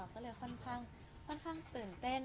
ก็เลยค่อนข้างตื่นเต้น